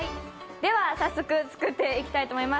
では早速作っていきたいと思います。